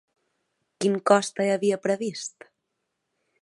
Quin cost hi havia previst?